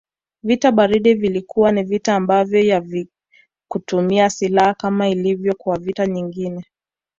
Vita baridi vilikuwa ni vita ambavyo havikutumia siilaha kama ilivyo kwa vita vingine